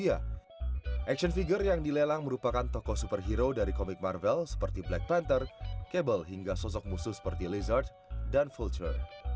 action figure yang dilelang merupakan tokoh superhero dari komik marvel seperti black panther kabel hingga sosok musuh seperti lezat dan voucher